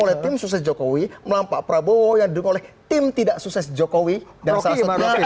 oleh tim sukses jokowi melampak prabowo yang diperoleh tim tidak sukses jokowi dan salah